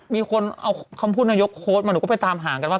มีคนเอาคำพูดนายกโค้ดมาหนูก็ไปตามหากันว่า